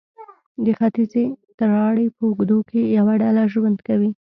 د ختیځې تراړې په اوږدو کې یوه ډله ژوند کوي.